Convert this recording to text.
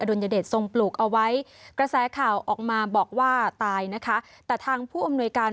ดุลยเดชทรงปลูกเอาไว้กระแสข่าวออกมาบอกว่าตายนะคะแต่ทางผู้อำนวยการ